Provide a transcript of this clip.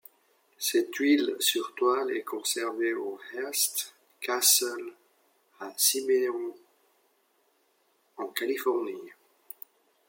Cette huile sur toile est conservée au Hearst Castle, à San Simeon en Californie.